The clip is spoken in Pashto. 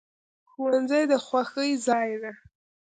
ښوونځی د خوښۍ ځای دی